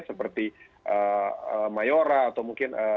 seperti mayora atau mungkin